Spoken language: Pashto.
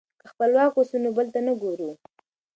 که خپلواک اوسو نو بل ته نه ګورو.